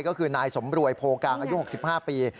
ก็คือนายสมรวยโพกลางอายุ๖๕ปี